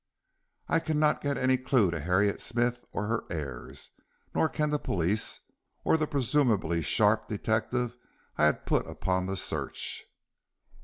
I cannot get any clue to Harriet Smith or her heirs, nor can the police or the presumably sharp detective I have put upon the search."